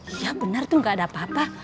iya benar tuh gak ada apa apa